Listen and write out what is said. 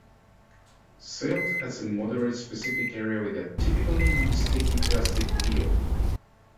Silt has a moderate specific area with a typically non-sticky, plastic feel.